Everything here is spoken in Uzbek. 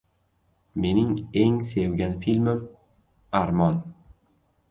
— Mening eng sevgan filmim — “Armon”.